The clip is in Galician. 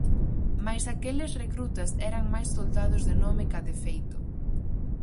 Mais aqueles recrutas eran máis soldados de nome ca de feito.